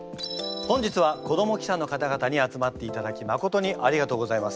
本日は子ども記者の方々に集まっていただきまことにありがとうございます。